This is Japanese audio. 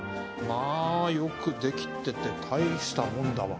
まあよく出来てて大したもんだわ。